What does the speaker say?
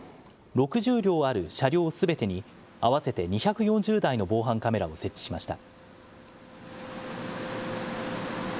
６０両ある車両すべてに合わせて２４０台の防犯カメラを設置しました。